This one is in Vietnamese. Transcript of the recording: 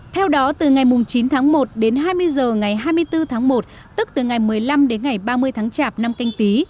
theo đó từ ngày chín tháng một đến hai mươi h ngày hai mươi bốn tháng một tức từ ngày một mươi năm đến ngày ba mươi tháng chạp năm canh tí